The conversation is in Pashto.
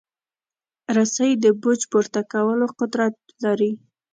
رسۍ د بوج پورته کولو قدرت لري.